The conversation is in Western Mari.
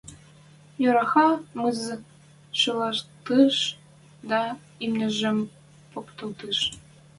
Йороха мыз-з шӱлӓлтӹш дӓ имнижӹм покталтыш.